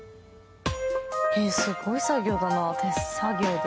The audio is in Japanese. すごい作業だな手作業で。